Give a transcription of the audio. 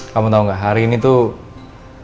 kamu tau gak hari ini tuh